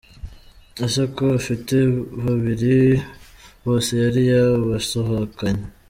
Ese ko afite babiri, bose yari yabasohokanye?.